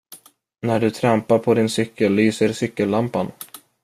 När du trampar på din cykel lyser cykellampan.